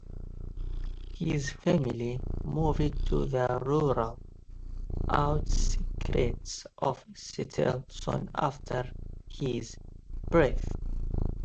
His family moved to the rural outskirts of Seattle soon after his birth.